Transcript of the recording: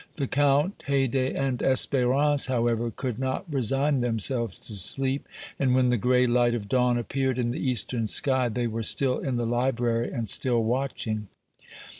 The Count, Haydée and Espérance, however, could not resign themselves to sleep, and when the gray light of dawn appeared in the eastern sky, they were still in the library and still watching.